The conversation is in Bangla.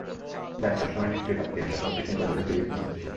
জানি, সবসময় নিশ্চয়ই ভাবতে এসব কম্পিটিশনকে অযথাই সিরিয়াসলি নিচ্ছি!